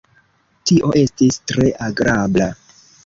Tio estis tre agrabla.